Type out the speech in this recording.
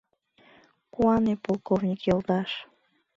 — Куане, полковник йолташ!